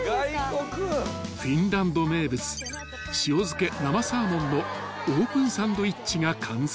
［フィンランド名物塩漬け生サーモンのオープンサンドイッチが完成］